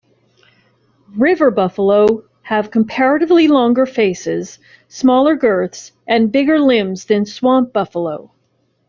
River buffalo have comparatively longer faces, smaller girths, and bigger limbs than swamp buffalo.